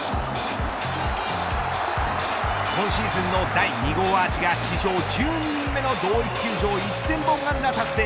今シーズンの第２号アーチが史上１２人目の同一球場１０００本安打を達成。